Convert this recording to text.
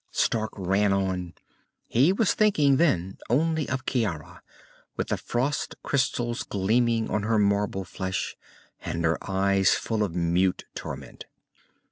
Stark ran on. He was thinking then only of Ciara, with the frost crystals gleaming on her marble flesh and her eyes full of mute torment.